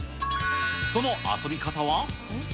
その遊び方は？